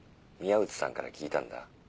宮内さんから聞いたんだ。